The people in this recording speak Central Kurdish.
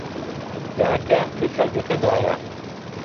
گاکە لە کێڵگەکەدایە.